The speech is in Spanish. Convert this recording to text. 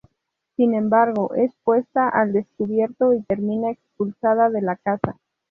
Sin embargo, es puesta al descubierto y termina expulsada de la casa.